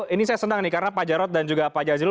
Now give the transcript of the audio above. ini saya senang nih karena pak jarod dan juga pak jazilul